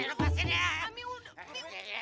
lepas sini ya